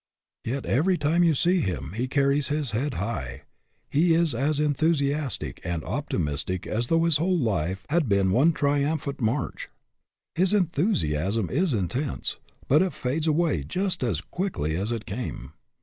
Yet every time you see him he carries his head high, he is as enthusiastic and optimistic as though his whole life had been one triumphant march. His enthusiasm is intense but it fades away just as quickly as it came.